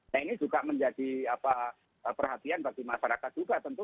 nah ini juga menjadi perhatian bagi masyarakat juga tentu